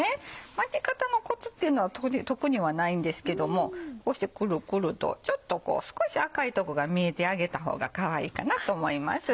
巻き方のコツっていうのは特にはないんですけどもこうしてクルクルとちょっと少し赤いとこが見えてあげた方がかわいいかなと思います。